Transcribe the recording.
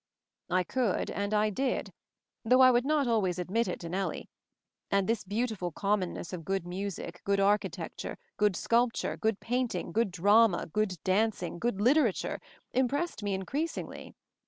I could and I did; though I would not always admit it to Nellie; and this beautiful commonness of good music, good architec ture, good sculpture, good painting, gpod drama, good dancing, good literature, Im pressed me increasingly.